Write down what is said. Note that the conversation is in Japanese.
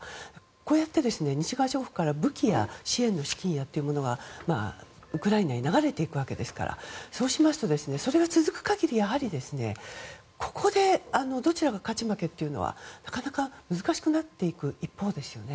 こうやって西側諸国から武器や資金の支援がウクライナへ流れていくわけですからそうしますと、それが続く限りはここでどちらが勝ち負けというのはなかなか難しくなっていく一方ですよね。